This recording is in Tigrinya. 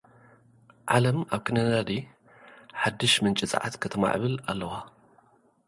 ዓለም ኣብ ክንዲ ነዳዲ ሓድሽ ምንጪ ጸዓት ከተማዕብል ኣለዋ።